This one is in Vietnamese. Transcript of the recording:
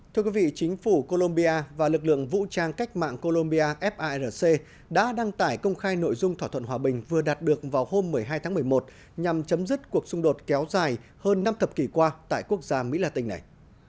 thưa quý vị chính phủ colombia và lực lượng vũ trang cách mạng colombia farc đã đăng tải công khai nội dung thỏa thuận hòa bình vừa đạt được vào hôm một mươi hai tháng một mươi một nhằm chấm dứt cuộc xung đột kéo dài hơn năm thập kỷ qua tại quốc gia mỹ latin này